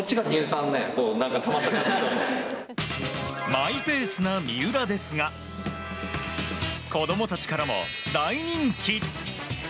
マイペースな三浦ですが子供たちからも大人気！